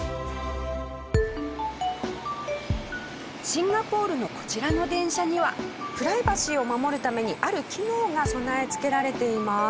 シンガポールのこちらの電車にはプライバシーを守るためにある機能が備え付けられています。